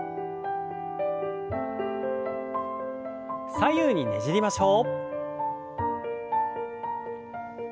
左右にねじりましょう。